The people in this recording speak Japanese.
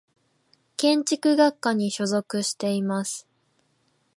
建築学科に所属しています。